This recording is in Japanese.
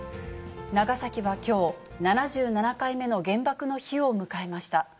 長崎はきょう、７７回目の原爆の日を迎えました。